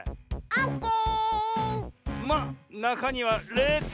オッケー。